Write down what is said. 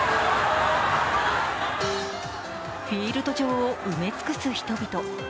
フィールド上を埋め尽くす人々。